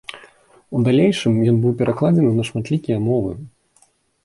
У далейшым ён быў перакладзены на шматлікія мовы.